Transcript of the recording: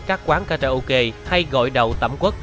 các quán karaoke hay gọi đầu tẩm quất